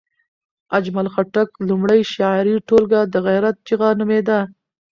اجمل خټک لومړۍ شعري ټولګه د غیرت چغه نومېده.